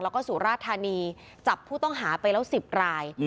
แล้วก็สุราธานีจับผู้ต้องหาไปแล้ว๑๐ราย